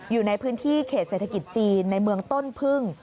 อยู่ในพื้นที่เขตเศรษฐกิจจีนในเมืองต้นพึ่ง